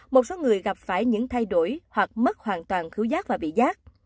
một số người gặp phải những thay đổi hoặc mất hoàn toàn thiếu giác và bị giác